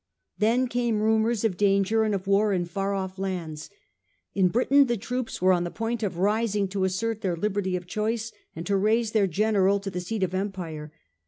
Then came rumours of danger and of war in far off lands. In Britain the troops were on the point of rising to assert their liberty of choice and to raise their general to the seat of empire.